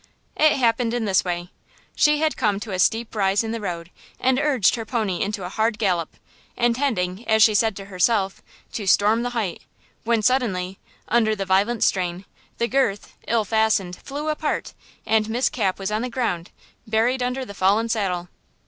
It happened in this way: She had come to a steep rise in the road and urged her pony into a hard gallop, intending as she said to herself, to "storm the height," when suddenly, under the violent strain, the girth, ill fastened, flew apart and Miss Cap was on the ground, buried under the fallen saddle.